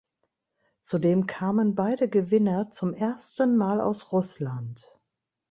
Zudem kamen beide Gewinner zum ersten Mal aus Russland.